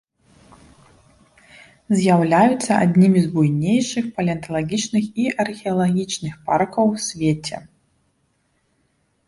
З'яўляюцца аднімі з буйнейшых палеанталагічных і археалагічных паркаў у свеце.